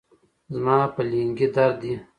زما په لنګې درد دي